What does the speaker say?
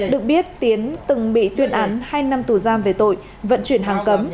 được biết tiến từng bị tuyên án hai năm tù giam về tội vận chuyển hàng cấm